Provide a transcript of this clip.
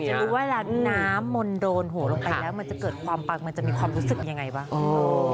จะรู้ว่าเวลาน้ำมนต์โดนโหลงไปแล้วมันจะเกิดความปังมันจะมีความรู้สึกยังไงบ้าง